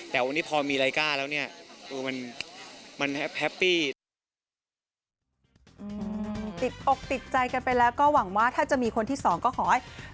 แต่วันนี้พอมีไร้ก้าแล้วเนี่ย